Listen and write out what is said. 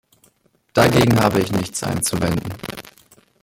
Dagegen habe ich nichts einzuwenden.